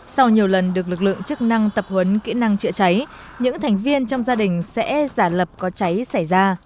sau nhiều lần được lực lượng chức năng tập huấn kỹ năng chữa cháy những thành viên trong gia đình sẽ giả lập có cháy xảy ra